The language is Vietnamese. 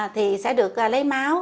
thì sẽ được lấy máu